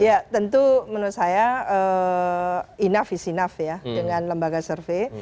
ya tentu menurut saya enough is enough ya dengan lembaga survei